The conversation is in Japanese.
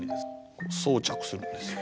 装着するんですよ。